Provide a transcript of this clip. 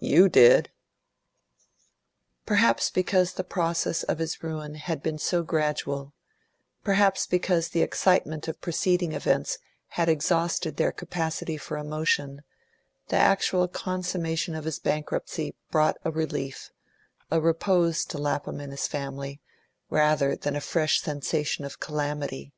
"YOU did." Perhaps because the process of his ruin had been so gradual, perhaps because the excitement of preceding events had exhausted their capacity for emotion, the actual consummation of his bankruptcy brought a relief, a repose to Lapham and his family, rather than a fresh sensation of calamity.